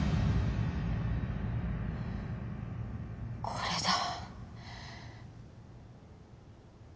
これだ